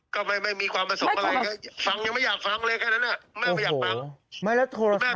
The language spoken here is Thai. ก็ไม่มีความประสงค์อะไรก็ฟังยังไม่อยากฟังเลยแค่นั้นแม่ไม่อยากฟังแม่